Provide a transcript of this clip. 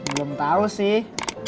belum tau sih